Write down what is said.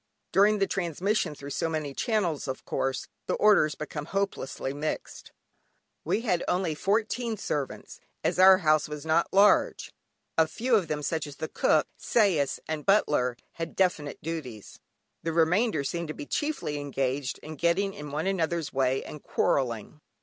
During the transmission through so many channels, of course the orders become hopelessly mixed. We had only fourteen servants, as our house was not large! A few of them, such as the cook, sais, and butler had definite duties, the remainder seemed to be chiefly engaged in getting in one another's way and quarrelling.